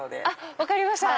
分かりました。